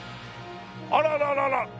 あらららら！